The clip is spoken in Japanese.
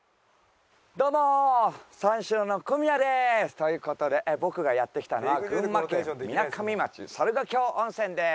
どうも三四郎の小宮です！という事で僕がやって来たのは群馬県みなかみ町猿ヶ京温泉です。